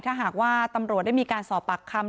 ถ้าหากว่าตำรวจได้มีการสอบปากคำ